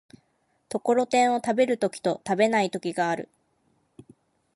ところてんを食べる時と食べない時がある。